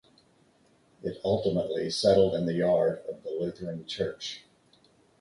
It ultimately settled in the yard of the Lutheran Church.